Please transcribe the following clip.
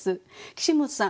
岸本さん